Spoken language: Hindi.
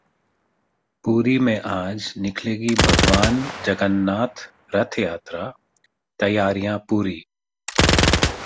पुरी में आज निकलेगी भगवान जगन्नाथ रथयात्रा, तैयारियां पूरी